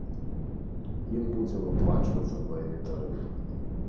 Ім будзе выплачвацца двайны тарыф.